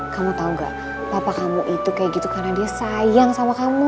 kamu tahu enggak apa kamu itu kayak gitu karena dia sayang sama kamu